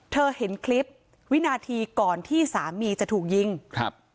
เห็นคลิปวินาทีก่อนที่สามีจะถูกยิงครับ